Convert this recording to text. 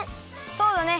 そうだね。